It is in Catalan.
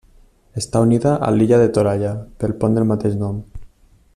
Està unida a l'illa de Toralla pel pont del mateix nom.